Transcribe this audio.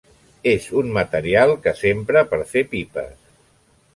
És una material que s'empra per fer pipes.